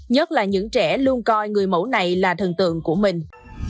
nhất là những trẻ luôn coi người mẫu này là thần tượng của mình